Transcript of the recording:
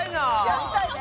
やりたいね。